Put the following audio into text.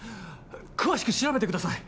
詳しく調べてください。